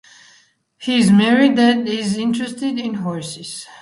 He is married and is interested in horses.